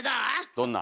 どんな？